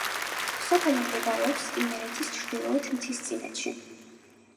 სოფელი მდებარეობს იმერეთის ჩრდილოეთ მთისწინეთში.